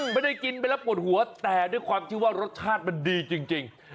ไม่ได้กินไปแล้วปวดหัวแต่ด้วยความที่ว่ารสชาติมันดีจริง